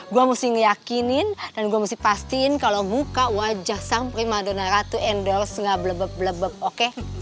gua mesti ngeyakinin dan gua mesti pastiin kalo muka wajah samperin madonna ratu endorse nggak bleb bleb bleb oke